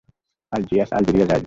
Algiers আলজেরিয়ার রাজধানী।